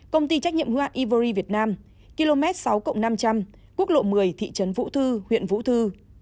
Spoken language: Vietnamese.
công ty trách nhiệm hữu hạn mai xuất khẩu quang huy ở xã nguyên xá huyện vũ thư